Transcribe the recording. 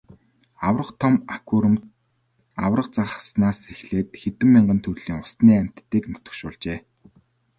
Аварга том аквариумд аварга загаснаас эхлээд хэдэн мянган төрлийн усны амьтдыг нутагшуулжээ.